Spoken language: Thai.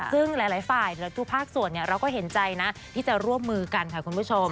ซึ่งหลายฝ่ายหรือทุกภาคส่วนเราก็เห็นใจนะที่จะร่วมมือกันค่ะคุณผู้ชม